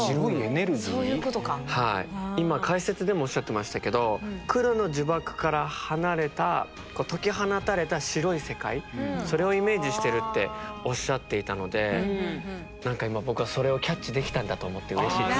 はい今解説でもおっしゃってましたけど黒の呪縛から離れた解き放たれた白い世界それをイメージしてるっておっしゃっていたので何か今僕はそれをキャッチできたんだと思ってうれしいです。